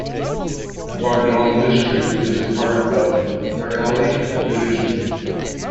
Budaun district is a part of Bareilly division.